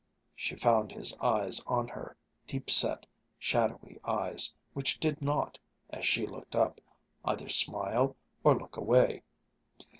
she found his eyes on hers, deep set, shadowy eyes which did not, as she looked up, either smile or look away.